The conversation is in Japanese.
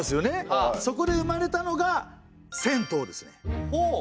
そこで生まれたのが銭湯ですよね。